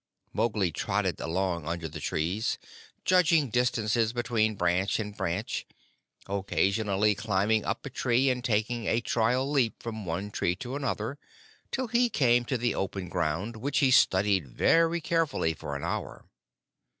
Mowgli trotted along under the trees, judging distances between branch and branch, occasionally climbing up a trunk and taking a trial leap from one tree to another, till he came to the open ground, which he studied very carefully for an hour.